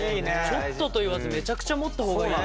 ちょっとと言わずめちゃくちゃ持った方がいい。